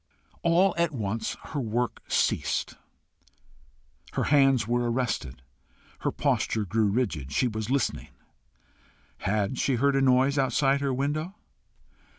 All at once her work ceased, her hands were arrested, her posture grew rigid: she was listening. HAD she heard a noise outside her window?